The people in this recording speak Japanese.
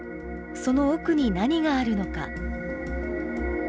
その奥に何があるのか。